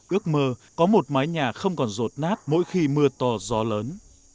ước mơ có một mái nhà không còn rột nát mỗi khi mưa to gió lớn